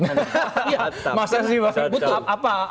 masa sih pak